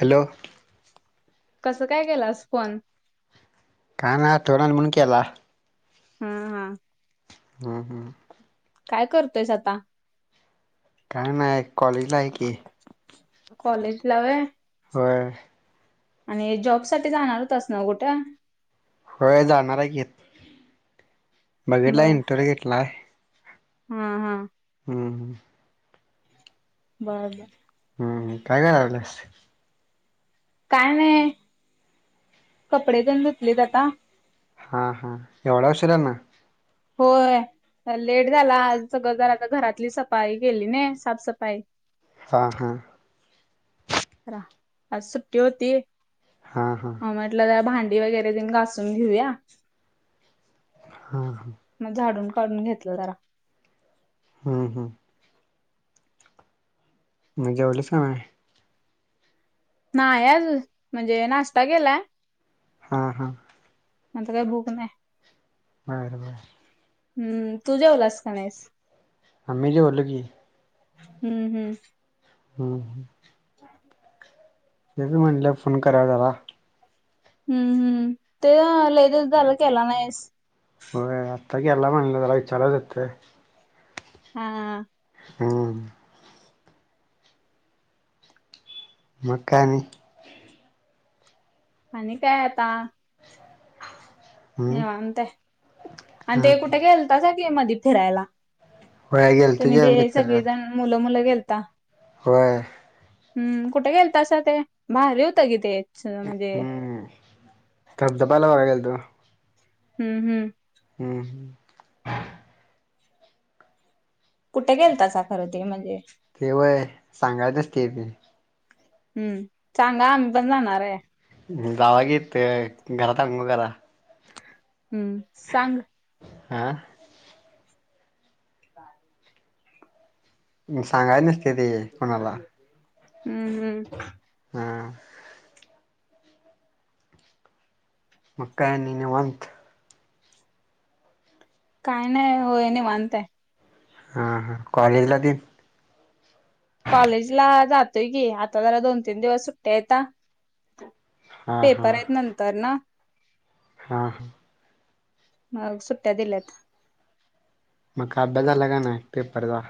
Hello कसं काय केलास फोन? काय नाय आठवण आली म्हणून केला. हम्म हा. हम्म हम्. काय करतोयस आता? काय नाही, कॉलेजला आहे की. कॉलेजला व्हय? होय. आनी जॉब साठी जाणार होतास नावं कुठं? होय जाणारेत कीं. बघिटलाय इंटरव्ह्यू घेतलाय हं हं हम्म बर. हम्, काय काय करालीस? काय नाई, कपडे धून धुतलेत आता. हा हा एवढा उशिरानं? होय, लेट झाला आज, सगळं जर आता घरातली सफाई केली नी साफसफाई. हां हां आज सुट्टी होतीय? हा हा. म म्हटलं जरा भांडी वगेरे तेन घासून घेऊया हां हां म झाडून काढून घेतलं जरा. हं, हम्. जेवलीस का नाई? नाय अजून, म्हणजे नाष्टा केलाय. अंह आता काय भूक न्हाई. बर बर. हं, तू जेवलास का नाईस? आम्ही जेवलो की, हम. ह [unintelligible] म्हणलं फोन कररा जवा हं हं, ते लई दिस झालं केला नाईस. होय, आत्ता गेला म्हणलं जरा विचारा त्तय. हाआ हम मग क्क्काय आनी? आनी काय आता? हम्म निवांते, आन हां ते कुटे गेल्ता था की मधी फिरायला. होय गेलतो तुमी की ते, आम्ही सगळेजन मुलं मुलं गेल्ता व्हय हम, कुठे गेल्तासा ते? भारी होतं कि ते च म्हणजे तब तपायला व्हाया गेल्तो हं हं हम् कुठे गेल्तासा खरं ते म्हंजे? तेवय? सांगायतच तें बी हं, चांगा आमी पन जाणाराय. घरात आंघोळ करा हम्म सांग आह ह सांगाय नसते ते कोणाला. हम्म हम्म हम मग काय निवांत. काय नाही होय निवांतय. हां हां कॉलेजला त कॉलेज ला जातोय की आता जरा दोन तीन दिवस सुट्ट्या आहेत हा हा पेपर आहेत नंतर ना हा हा. मग सुट्ट्या दिल्यात मग खाडा झाला ना पेपरचा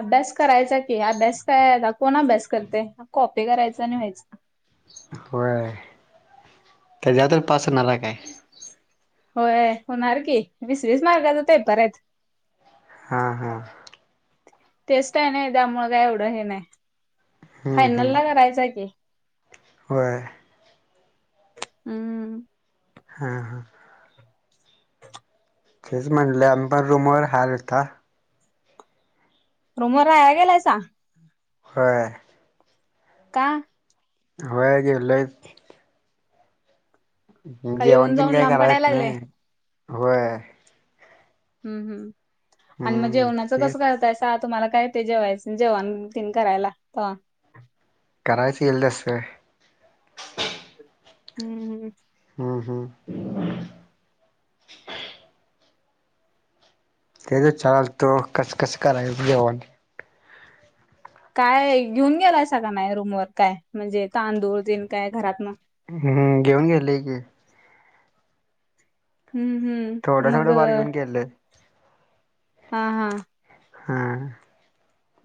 अभ्यास करायचा की अभ्यास काय आता कोण अभ्यास करते कॉपी करायचा आणि व्हायचा. होय त्याच्यात पास होणार काय? होय होणार की वीस वीस मार्कच पेपरत. हम्म हम् टेस्ट आहे ना त्यामुळे काय एवढं हे नाही हम्म फायनल हम्म ला करायचं आहे की. होय. हम्म. हा हा तेच म्हणले आम्ही पण रूमवर आलता. रुमवर गेलासा. होय. का? होय गेलोय. का जेवान येऊन तेन जाऊन काही लांब करायलां येत पडायला लागलय. नाही होय हम् हम् आणि मग हम्म जेवणाचं तेच कसं काय होतय पहा तुम्हाला काय येतंय जेवायचं जेवणं तेन करायला करायच यील तस हम्म हम्म हम हम [unintelligible] ते विचारतो आलतो कसं कसं कराय जेवणं काय घेऊन गेलायसा का नाही रूम वर काय म्हणजे तांदूळ तेन काय घरातन हम्म घेऊन गेले की हम्म थोडं हम्म मग थोडं फार घेऊन गेले हा हा हम्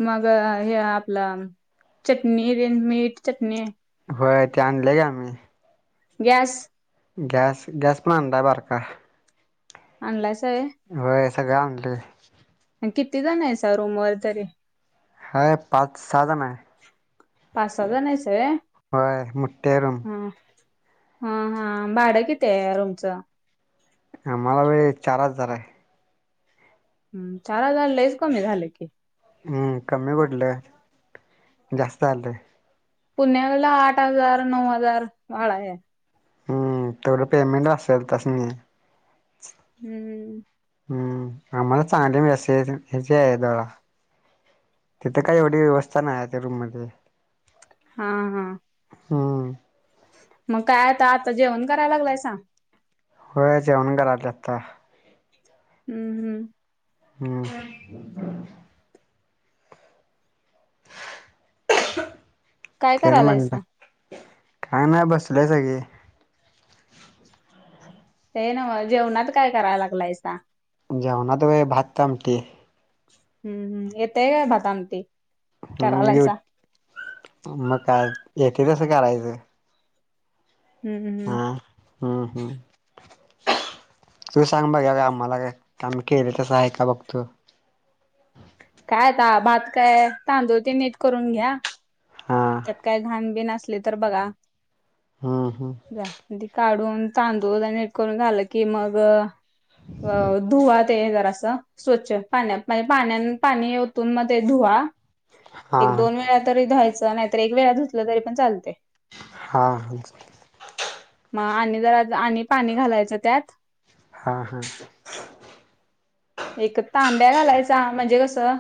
मग हे आपलं चटणी तेन मीठ, चटणी होय ते आणले ग आम्ही गॅस गॅस, गॅस पण आणलाय बारका आणलायस होय होय सगळ्या आमत्यात आणि किती जण हायसा रूमवर तरी? हाय पाच सहाजनाय पाच सहाजण हायसा होय होय मोठ्ठीय रूम हम्म हम्म हम्म भाड कितीय रुमचं? आम्हाला व्हय चार हजार हाय. चार हजार लैच कमी झालं की. हम्म कमी कुठलं जास्त आल्यात पुण्याला आठ हजार, नऊ हजार भाडाय. हम्म तेवढं पेमेंट असल त्यासनी [inaudible] हम् आम्हाला चांगले मेस हे हेचे हाय जरा तिथे काय एवढी व्यवस्था नाही हाय त्या रूम मध्ये हा हा हम्म मग काय आता आजच जेवण कराय लागलायसा? होय जेवणं कराल तो आता हम्म हम्म हम्म काय तरी म्हटलं करायलायसा काय नाय बसलोय सगळी ते नव्हं जेवणात काय कराय लागलायसा? जेवणात व्हय भात आमटी हम् हम येतंय का भात आमटी? हम्म करायलायसा [unintelligible] मग काय येते तसं करायचं हम्म हम्म हम्म. हा हा [unintelligible] तू सांग बघायाला आम्हाला काय? आम्ही केले तसं हाय का बघतो काय आता भात काय तांदूळ ते नीट करून घ्या. हा त्यात काय घाणबीण असली तर बघा. हम्म हम्म. जा, ते काढून तांदूळ जरा नीट करून झालं की मग अ धुवा ते जरास. स्वच्छ पाण्यात, म्हणजे पाण्यान पाणी ओतून म ते धुवा. हा एक दोन वेळा तरी धूवायचं, नाहीतर एक वेळा धुतलं तरी पण चाल हा [unintelligible] म आणि जरा आणि पाणी घालायचं त्यात. हां हां. एक तांब्या घालायचा, म्हणजे कसं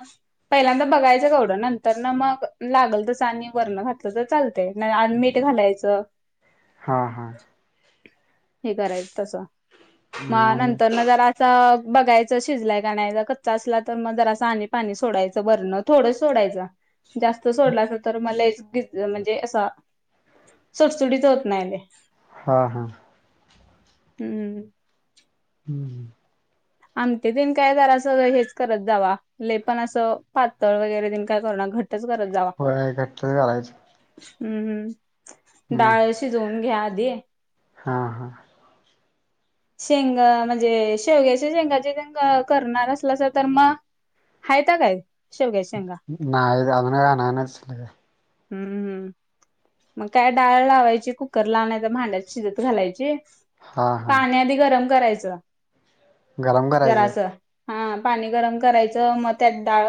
पहिल्यांदा बघायचं कवडं, नंतर ना मग लागल तसं आणि वर्ण घातलं तर [unintelligible] आणि मीठ घालायचं. हा हा. हे करायच तसं, म नंतर न जराच बघ त शिजलाय का नाई, जर कच्चा असला तर मग जरासं आणि पाणी सोडायचं वरनं, थोडं सोडायचं. जास्त सोडलासा तर मग लईच गीचे म्हणजे असा सुटसुटीत होत नाय लय. हां हां. हम्म. हम्म हम्. आमटी तीन काय जराचं हेच करत जावा लय पण असं पातळ वगैरे तीन काय करू नका घ ट्टच करत जावा. होय घट्टच करायच. हम्म हम्म, डाळ शिजवून घ्या आधी. हां हा. शेंग म्हणजे शेवग्याच्या शेंगाचे तेन करणार असलासा तर म हयत्या काय शेवग्याच्या शेंगा? नाय [unintelligible] नसतंय. हम्म. मग काय डाळ लावायची कुकर ला नाय तर भांड्यात शिजत घालायची. हा हा पाणी आधी गरम करायचं गरम करायचं जरासं. हां, पाणी गरम करायचं मग त्यात डाळ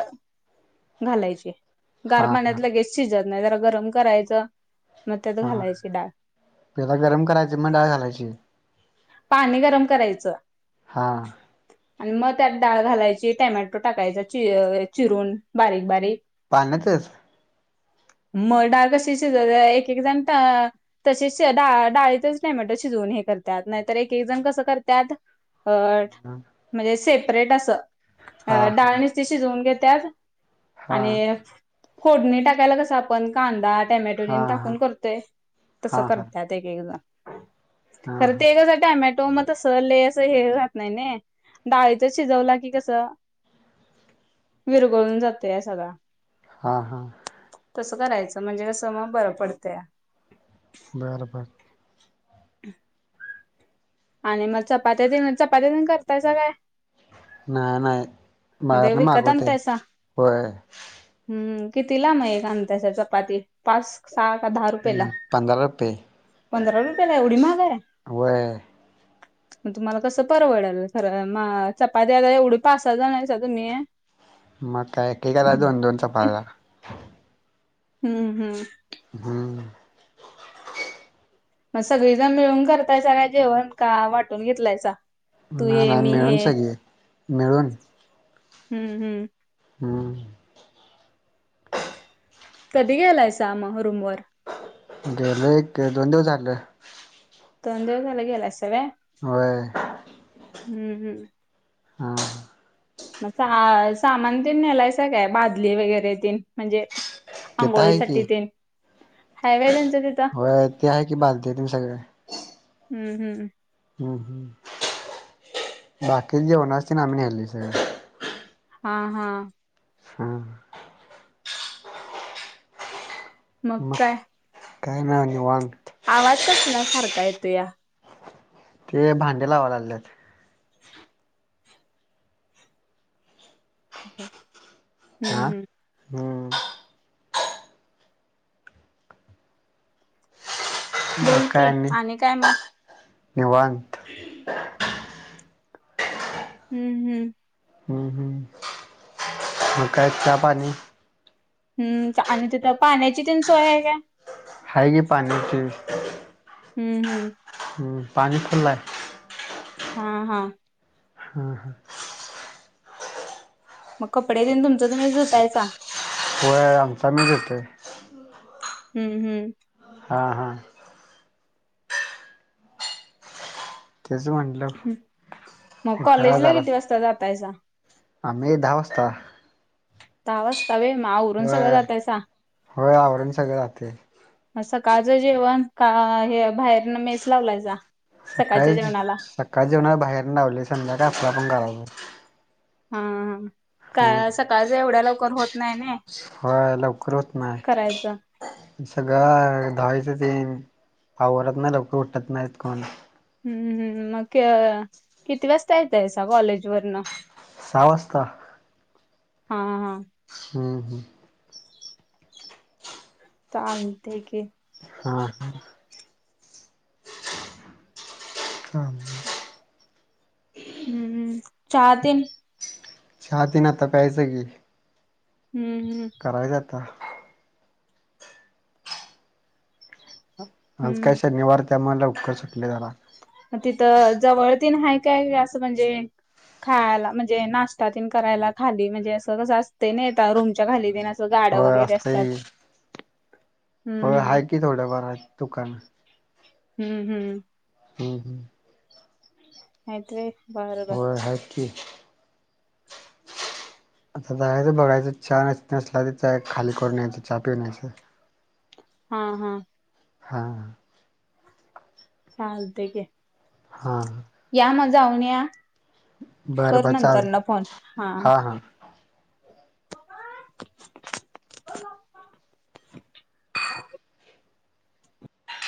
घालायची. गार हा हा पाण्यात लगेच शिजत नाय जरा गरम करायचं मग त्यात घालायची डाळ. पेला गरम करायची मग डाळ घालायची? पाणी गरम करायचं. हां. आणि मग त्यात डाळ घालायची टोमॅटो टाकायचा ची -चिरून बारीक बारीक. पाण्यातच? म डाळ कशी शिजवायच एक एक जण ता तशीच डा -डाळीतच टॅमॅटो शिजवून हे करत्यात. नाय तर एक एक जण कस करत्यात अ म्हणजे सेपरेट असं. हा अ- डाळ हा निस्ति शिजवून घेत्यात. हा आणि फोडणी टाकायला कसं आपण कांदा टॅमॅटो हा टाकून हा तेन करतोय तसं हा हा करत्यात. ते एक एक जण हा खर हा ते कसं टामॅटो म तस लय असं हे राहत नाय. डाळीतचं शिजवला की कसं विरगळून जातोया सगळा. हां हा. तसं करायचं म्हणजे कस म बरं पडतंया. बर बर. आणि म चपात्या तेन चपात्यात करतायसा काय? नाय नाय मग ते बाहेर न विकत मागवतय आणतायसा होय. हम्म, किती ला म एक आणतायसा चपाती पाच, सहा का दहा रुपयेला? हम्म पंधरा रुपये पंरा रुपयला एवढी महाग आय? होय म तुम्हाला कसं परवडल खरं मा चपाती आता एवढी पाच-सहा जण सा-तुम्ही मग काय एक एकाला दोन दोन चपात्या. हम्म हम्म. हम्म. म सगळी जण मिळून करतायसा का जेवण का वाटून घेतलायसा? तू नाय हे नाय मी मिळून हे सगळी मिळून. हम्म हम्म. हम्म कधी गेलायसा मग रूम वर? गेलोय एक दोन दिवस झालं. दोन दिवस झालयं गेलायसा व्हय. व्हय. हूं.. हूं.. हा मग सामान तेन नेलायसा काय भादली वगैरे तेन म्हणजे तिथं आहे आंघोळीसाठी की तेन हाय वय त्यांचं तिथं. होय ते आहे की बालते ते सगळे हूं.. हूं.. हुं.. हुं.. बाकीचं जेवणाचं तेन आम्हीं नेलयं सगळं. हा.. हा.. हम्म मग काय नाय निवांत. आवाज कसला सारखा येतुया? ते भांडे लावा लागल्यात. कसास आं. हं.. मग बोल काय की आणि काय मग निवांत हू.. हं.. हुं.. हूं मग काय चहा -पाणी हम् आणि तिथं पाण्याची तेन सोय आहे काय? हाय की पाण्याची. हुं.. हुं पाणी फुल्लं आहे. हा... हा. हा, हा.. मग कपडे तेन तुमचं तुम्हींच धुतायसा? व्हंय आमचं आमीच धुतोय. हुं.. हुं... हां हां तेच म्हटलं. हूं.. मग कॉलेजला किती वाजता जातायसा? आम्हीं दहा वाजता. दहा वाजता वय म आवरून सगळं होय जातायसा. होय आवरून सगळं जाते मग सकाळचं जेवण का हे बाहेरनं मेस लावलायसा? सकाळच्या सकाळीच जेवणाला सकाळच्या जेवणाचं बाहेरनं लावल्या, संध्याकाळी आपलं आपण करायचं. हां..... का हम्म, सकाळचं एवढ्या लवकर होत नाही नई करायचं. सगळं दहावीचं तेन आवरत नाही लवकर उठत नाहीत कोण. हुं.. मग किती वाजता येतायसा कॉलेजवरनं.? सहा वाजता. हा हा.. हं. हूं.. आता आणते की, हा -हा, हां, हं-हंम चहा तेन चहा तेन आता प्यायचं की. हम्म- हम्म, करायच आता. आज काय हम्म शनिवार त्यामुळे लवकर सुटले जरा. त तिथं जवळ तिन हाय काय असं म्हणजे खायाला? म्हणजे नाश्ता तीन करायला खाली, म्हणजे असं कसं असते नयी ता रूमच्या खाली बिन असं गाड होय वगैरे असतंय असत्यात, हम्म-हं, अगदी थोड्या फार आहेत दुकान. हम्म- हम्म, हम्- हम्, हायेत रे होय, आहेत की. आस जायचं बघायचं चहा नसला तर खाल करूनयायचं चहा पिऊन यायचं. हा -हा, हा, चालते की हा, या जाऊन या, बरं करू बर नंतर न चालतंय फोन, हा.